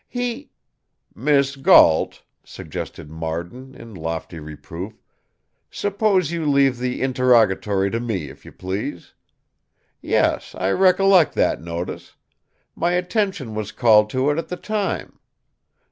He " "Miss Gault," suggested Marden in lofty reproof, "suppose you leave the interrogatory to me, if you please? Yes, I recollect that notice. My attention was called to it at the time.